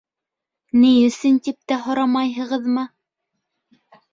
Ни өсөн тип тә һорамайһығыҙмы?